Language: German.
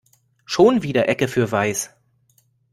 Schon wieder Ecke für weiß.